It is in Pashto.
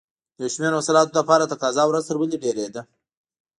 د یو شمېر محصولاتو لپاره تقاضا ورځ تر بلې ډېرېده.